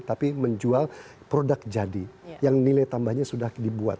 tapi menjual produk jadi yang nilai tambahnya sudah dibuat